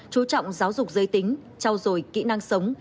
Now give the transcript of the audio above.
chú trọng giáo dục giới tính trao dồi kỹ năng sống